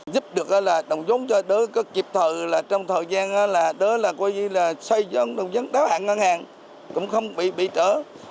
giúp được là đồng dung cho đối có kịp thợ là trong thời gian đó là coi như là xoay dân đồng dung đáo hạng ngân hàng cũng không bị trở